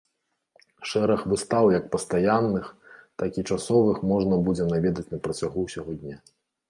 Шэраг выстаў як пастаянных, так і часовых можна будзе наведаць на працягу ўсяго дня.